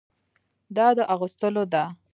دا د اغوستلو ده.